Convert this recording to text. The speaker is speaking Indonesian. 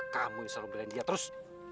kamu yang selalu belain dia terus